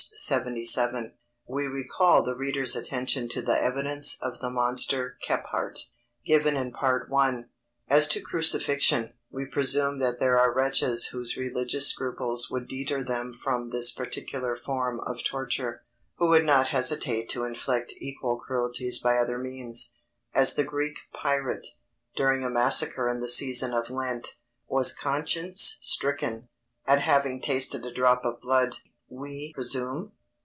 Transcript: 77. We recall the reader's attention to the evidence of the monster Kephart, given in Part I. As to crucifixion, we presume that there are wretches whose religious scruples would deter them from this particular form of torture, who would not hesitate to inflict equal cruelties by other means; as the Greek pirate, during a massacre in the season of Lent, was conscience stricken at having tasted a drop of blood. We presume?